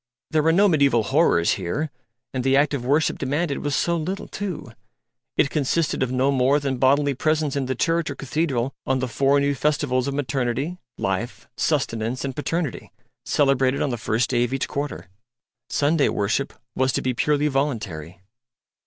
There were no mediaeval horrors here; and the act of worship demanded was so little, too; it consisted of no more than bodily presence in the church or cathedral on the four new festivals of Maternity, Life, Sustenance and Paternity, celebrated on the first day of each quarter. Sunday worship was to be purely voluntary.